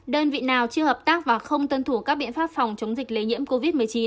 đơn vị nào chưa hợp tác và không tuân thủ các biện pháp phòng chống dịch lây nhiễm covid một mươi chín